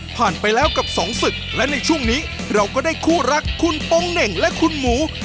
ไปแล้วกับสองศึกและในช่วงนี้เราก็ได้คู่รักคุณโป๊งเหน่งและคุณหมู